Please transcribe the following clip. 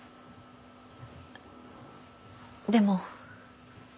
でも。